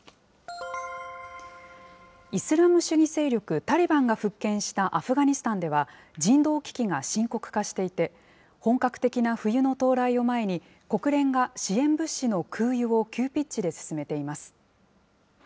イスラム主義勢力タリバンが復権したアフガニスタンでは、人道危機が深刻化していて、本格的な冬の到来を前に、国連が支援物資の空輸を急ピッチで進めています。